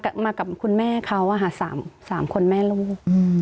มากับคุณแม่เขา๓คนแม่ลูก